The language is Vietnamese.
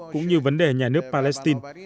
cũng như vấn đề nhà nước palestine